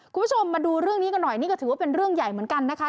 คุณผู้ชมมาดูเรื่องนี้กันหน่อยนี่ก็ถือว่าเป็นเรื่องใหญ่เหมือนกันนะคะ